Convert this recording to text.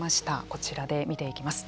こちらで見ていきます。